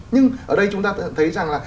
nhưng ở đây chúng ta thấy rằng là